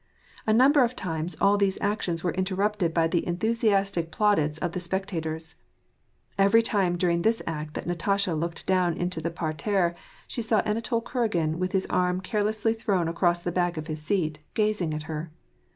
A number of times all these actioas were interruptea by the enthusiastic plaudits of the spectatoife. Every time during this act that Natasha looked down into the parterre she saw Anatol Kuragin, with his arm carelessly thrown across the back of his seat, and gazing at her.